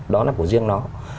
đó là của riêng nó